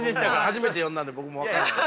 初めて読んだんで僕も分からない。